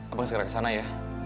abang segera kesana ya